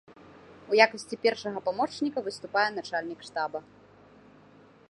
У якасці першага памочніка выступае начальнік штаба.